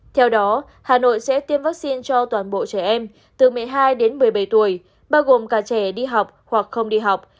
theo đó hà nội sẽ tiêm vaccine cho toàn bộ trẻ em từ một mươi hai đến một mươi bảy tuổi bao gồm cả trẻ đi học hoặc không đi học